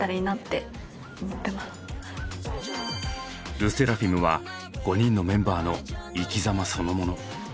ＬＥＳＳＥＲＡＦＩＭは５人のメンバーの生き様そのもの。